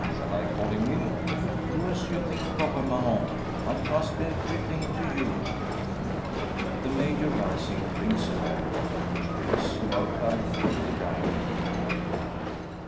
Shall I call him in?" "Do as you think proper, Mahon. I trust everything to you." The Major, rising, rings a bell; which brings Murtagh to the dining room door.